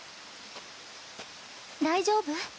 大丈夫？